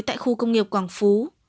tại khu công nghiệp quảng phú